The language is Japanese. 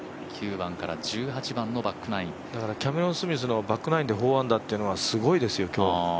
９番から１８番のバックナインキャメロン・スミスのバックナインで４アンダーというのはすごいですよ。